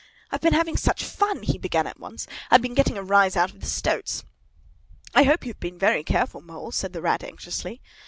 "I've been having such fun!" he began at once; "I've been getting a rise out of the stoats!" "I hope you've been very careful, Mole?" said the Rat anxiously.